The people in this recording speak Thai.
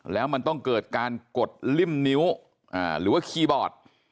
แล้วมันต้องเกิดการกดริ่มนิ้วหรือว่าคีย์บอร์ด